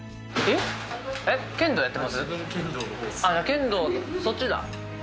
剣道のそっちだ。